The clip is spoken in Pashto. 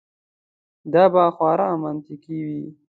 دا به خورا منطقي وي.